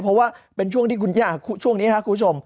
เพราะว่าเป็นช่วงที่คุณย่าช่วงนี้ครับคุณผู้ชม